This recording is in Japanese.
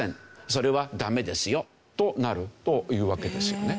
それはダメですよとなるというわけですよね。